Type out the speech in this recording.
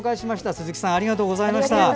鈴木さんありがとうございました。